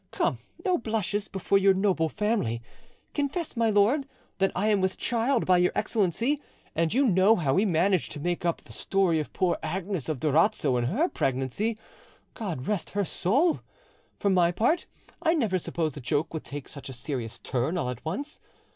Come, no blushes before your noble family; confess, my lord, that I am with child by your Excellency; and you know how we managed to make up the story of poor Agnes of Durazzo and her pregnancy—God rest her soul! For my part, I never supposed the joke would take such a serious turn all at once.